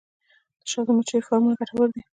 د شاتو مچیو فارمونه ګټور دي